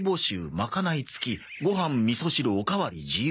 「まかない付きご飯味噌汁おかわり自由」